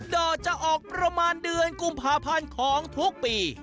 ดอกจะออกประมาณเดือนกุมภาพันธ์ของทุกปี